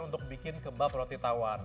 untuk bikin kebab roti tawar